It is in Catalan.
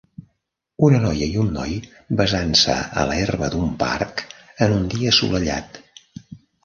Una noia i un noi besant-se a l'herba d'un parc en un dia assolellat.